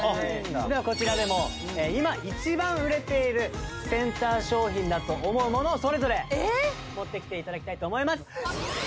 ではこちらで今一番売れているセンター商品だと思うものをそれぞれ持ってきていただきたいと思います。